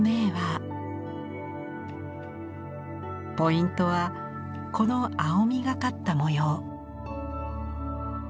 ポイントはこの青みがかった模様。